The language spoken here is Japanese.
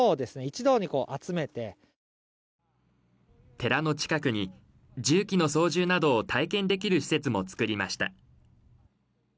寺の近くに重機の操縦などを体験できる施設もつくりました。